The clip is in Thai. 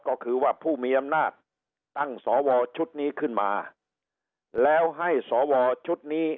ก็คือว่าผู้มีอำนาจตั้งสวชุดนี้ขึ้นมาแล้วให้สวชุดนี้